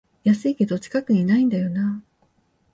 安いけど近くにないんだよなあ